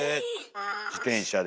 自転車で。